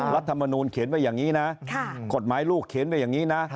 รัฐมนูลเขียนไว้อย่างนี้นะกฎหมายลูกเขียนไว้อย่างนี้นะ